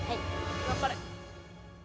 頑張れ。